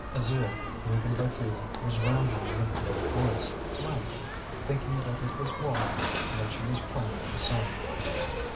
Alzire, weakened by fever, was rambling in a low voice, laughing, thinking that it was warm and that she was playing in the sun.